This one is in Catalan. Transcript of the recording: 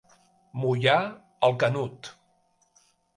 Mullar el canut.